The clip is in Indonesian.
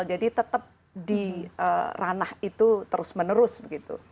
jadi tetap di ranah itu terus menerus begitu